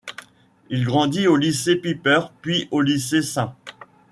Il grandit au lycée Piper puis au lycée St.